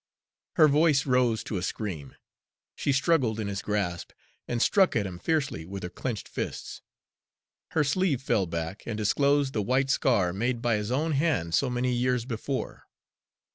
Her voice rose to a scream; she struggled in his grasp and struck at him fiercely with her clenched fists. Her sleeve fell back and disclosed the white scar made by his own hand so many years before.